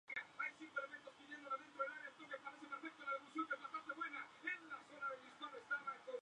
Actualmente es miembro de la Unión de Solidaridad No Partidista.